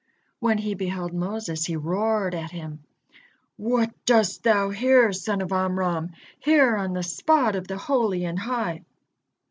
When he beheld Moses he roared at him: "What dost thou here, son of Amram, here on the spot of the Holy and High?"